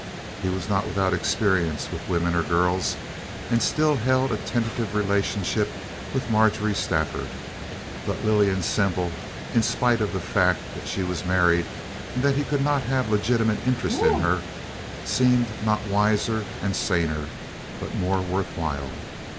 He was not without experience with women or girls, and still held a tentative relationship with Marjorie Stafford; but Lillian Semple, in spite of the fact that she was married and that he could have legitimate interest in her, seemed not wiser and saner, but more worth while.